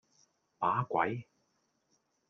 把鬼!